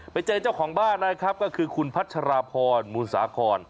ไปเจอกันเคยเจ้าของบ้านนะครับก็คือคุณพัชรพอร์นมูลสาธารณ์คอน